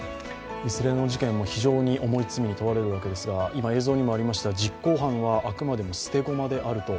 いずれの事件も非常に重い罪に問われるわけですが、今、映像にもありました実行犯はあくまでも捨て駒であると。